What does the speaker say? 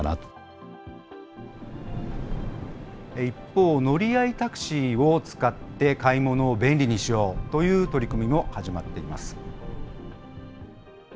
一方、乗り合いタクシーを使って買い物を便利にしようという取り組みも始まっています。